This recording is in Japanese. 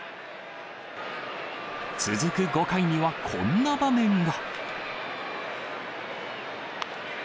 続く５回には、こんな場面が。